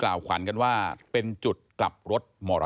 ทั้งคนเจ็บคนตาย